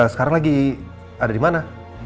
sekarang lagi ada di mana